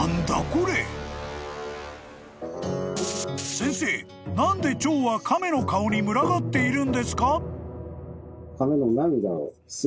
［先生何でチョウは亀の顔に群がっているんですか？］